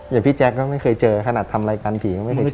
อย่างพี่แจ๊กก็ไม่เคยเจอขนาดทำรายการผี